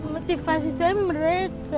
motivasi saya mereka